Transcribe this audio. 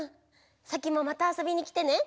サキもまたあそびに来てね。